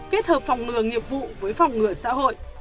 kết hợp phòng ngừa nghiệp vụ với phòng ngừa xã hội